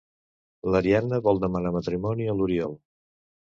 L'Ariadna vol demanar matrimoni a l'Oriol.